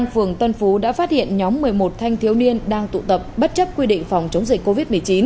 phường tân phú đã phát hiện nhóm một mươi một thanh thiếu niên đang tụ tập bất chấp quy định phòng chống dịch covid một mươi chín